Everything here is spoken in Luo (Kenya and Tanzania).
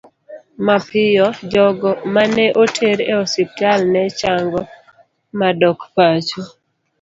Mapiyo, jogo ma ne oter e osiptal ne chango ma dok pacho.